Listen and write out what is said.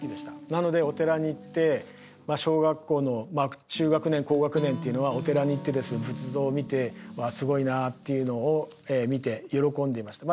なのでお寺に行って小学校の中学年高学年っていうのはお寺に行って仏像を見て「うわすごいな」っていうのを見て喜んでいました。